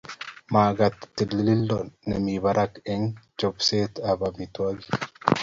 Magat tililindo nemi barak eng chobisietab amitwogik